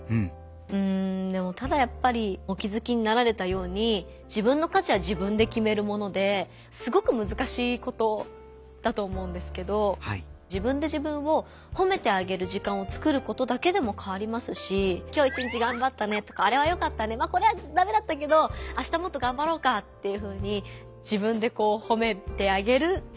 うんただやっぱりお気づきになられたように自分の価値は自分できめるものですごくむずかしいことだと思うんですけど自分で自分をほめてあげる時間を作ることだけでも変わりますし「今日は一日がんばったね」とか「あれはよかったね」「これはダメだったけどあしたもっとがんばろうか」というふうに自分でほめてあげる。